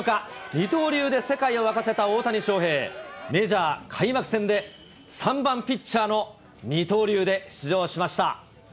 二刀流で世界を沸かせた大谷翔平、メジャー開幕戦で３番ピッチャーの二刀流で出場しました。